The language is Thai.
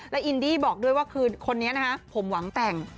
และอินดี้บอกด้วยว่าคือคนนี้นะฮะผมหวังแต่ง